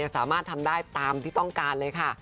สามารถทำได้ตามที่ต้องการเลยค่ะ